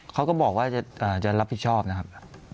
เขาก็บอกว่าจะรับผิดชอบนะครับ